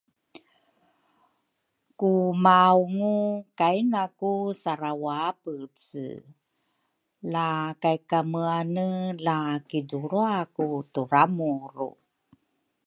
kumaungu kainaw sarawabece la kaykameane la kidulruaku turamuru.